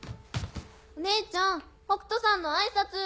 お姉ちゃん北斗さんの挨拶。